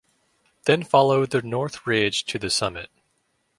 Then followed the north ridge to the summit.